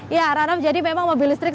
ya rano jadi memang mobil listrik